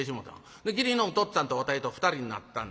で義理のおとっつぁんとわたいと２人になったんだ。